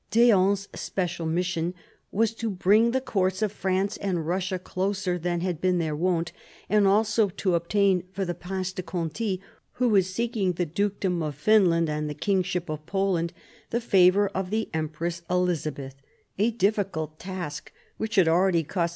D'Eon's special mission was to bring the courts of France and Russia closer than had been their wont, and also to obtain for the Prince de Conti, who was seeking the Dukedom of Finland and the Kingship of Poland, the favour of the Empress Elizabeth a difficult task, which had already cost M.